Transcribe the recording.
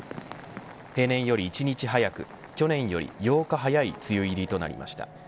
平年より１日早く去年より８日早い梅雨入りとなりました。